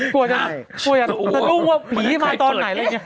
กลัวอยากจะรู้ว่าผีมาตอนไหนแล้วเนี่ย